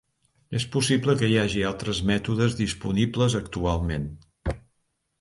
És possible que hi hagi altres mètodes disponibles actualment.